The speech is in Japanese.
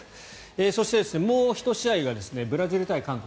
そして、もう１試合がブラジル対韓国。